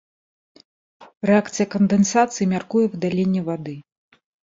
Рэакцыя кандэнсацыі мяркуе выдаленне вады.